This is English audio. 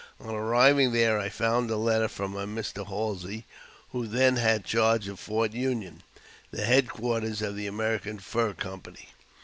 On arriving there, I found a letter from a Mr. Halsey, w!io then had charge of Fort Union, the head quarters of the American Fur Company.